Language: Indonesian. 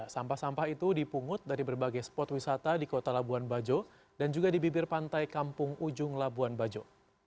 sampah sampah itu dipungut dari berbagai spot wisata di kota labuan bajo dan juga di bibir pantai kampung ujung labuan bajo